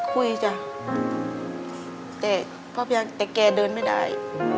จ้ะแต่แกเดินไม่ได้